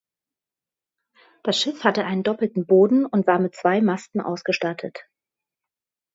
Das Schiff hatte einen doppelten Boden und war mit zwei Masten ausgestattet.